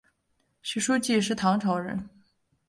许叔冀是唐朝人。